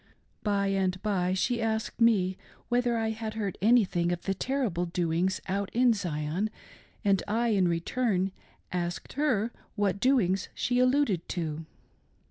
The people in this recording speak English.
By and by she asked me whether I had heard anything of the terrible doings out in Zion, and I, in return, asked her whai doings she alluded to.